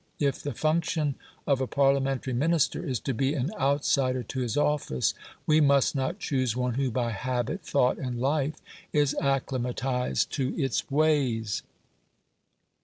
If the function of a Parliamentary Minister is to be an outsider to his office, we must not choose one who, by habit, thought, and life, is acclimatised to its ways.